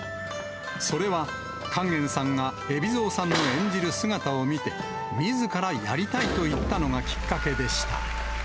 それは勸玄さんが海老蔵さんの演じる姿を見て、みずからやりたいと言ったのがきっかけでした。